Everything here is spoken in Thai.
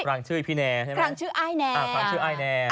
ครางชื่อพี่แนร์ครางชื่ออายแนร์